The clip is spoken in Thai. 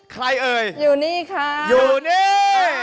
เอ่ยอยู่นี่ค่ะอยู่นี่